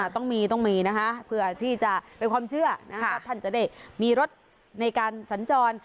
ต้องมีต้องมีนะคะเพื่อที่จะเป็นความเชื่อว่าท่านจะได้มีรถในการสัญจร